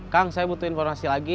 kang saya butuh informasi lagi